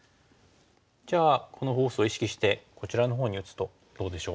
じゃあこのフォースを意識してこちらのほうに打つとどうでしょう？